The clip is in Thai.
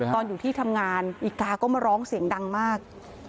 ตอนที่ทำงานอีกาก็มาร้องเสียงดังมาก